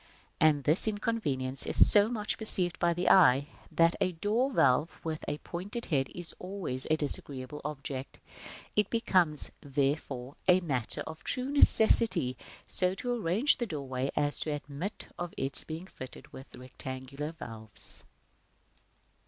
And this inconvenience is so much perceived by the eye, that a door valve with a pointed head is always a disagreeable object. It becomes, therefore, a matter of true necessity so to arrange the doorway as to admit of its being fitted with rectangular valves.